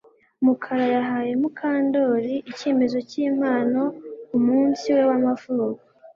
Mukara yahaye Mukandoli icyemezo cyimpano kumunsi we wamavuko